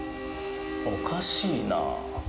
おかしいな。